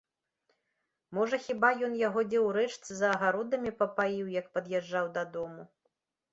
Можа, хіба ён яго дзе ў рэчцы за агародамі папаіў, як пад'язджаў дадому.